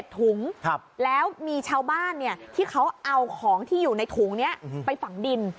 ถุงแล้วมีชาวบ้านที่เขาเอาของที่อยู่ในถุงนี้ไปฝังดิน